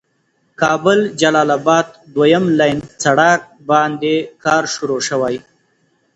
کابل جلال آباد دويم لين سړک باندې کار شروع شوي.